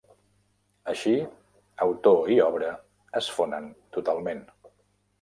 Així, autor i obra es fonen totalment.